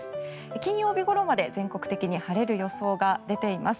金曜日ごろまで全国的に晴れる予想が出ています。